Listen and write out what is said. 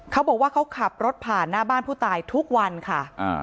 เขาบอกว่าเขาขับรถผ่านหน้าบ้านผู้ตายทุกวันค่ะ